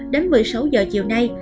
vào một mươi hai h chiều nay